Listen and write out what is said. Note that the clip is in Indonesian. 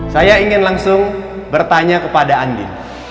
saya ingin langsung bertanya kepada andi